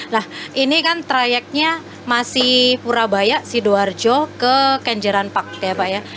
nah ini kan trayeknya masih purabaya sidoarjo ke kenjeran park ya pak ya